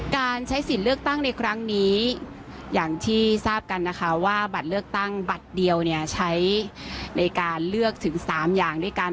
การใช้สิทธิ์เลือกตั้งในครั้งนี้อย่างที่ทราบกันนะคะว่าบัตรเลือกตั้งบัตรเดียวเนี่ยใช้ในการเลือกถึง๓อย่างด้วยกัน